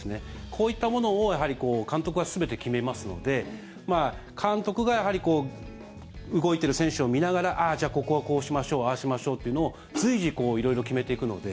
こういったものをやはり監督は全て決めますので監督がやはり動いてる選手を見ながらじゃあ、ここはこうしましょうああしましょうというのを随時、色々決めていくので。